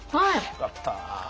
よかった。